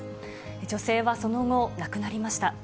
女性はその後、亡くなりました。